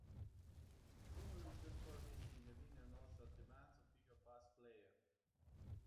Lumary is therefore listed in the liner notes as the band's official bass player.